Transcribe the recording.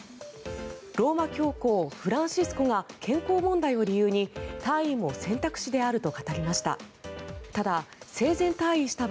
ローマ教皇、フランシスコが健康問題を理由に退位も選択肢であると語りました。